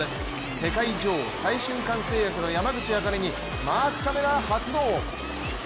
世界女王、再春館製薬の山口茜にマークカメラ発動。